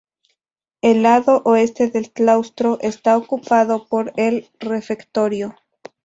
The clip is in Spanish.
El lado oeste del claustro está ocupado por el refectorio.